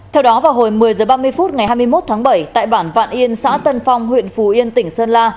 theo đó vào hồi một mươi h ba mươi phút ngày hai mươi một tháng bảy tại bản vạn yên xã tân phong huyện phú yên tỉnh sơn la